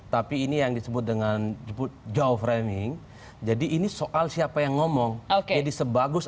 tapi ini yang disebut dengan jauh framing jadi ini soal siapa yang ngomong oke jadi sebagus